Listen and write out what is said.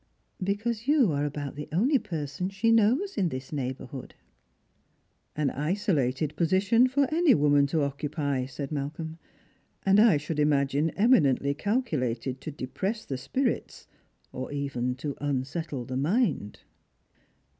*' Because you are about the only person she kuows in thi? neighbourhood." " An isolated position for any woman to occupy," said Mal colm, " and I should imagine eminently calculated to depress the spirits or even to unsettle the mind."